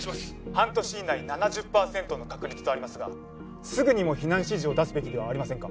半年以内７０パーセントの確率とありますがすぐにも避難指示を出すべきではありませんか？